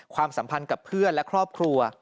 ความสัมพันธ์กับเพื่อนและครอบครัว